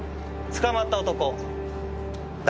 捕まった男？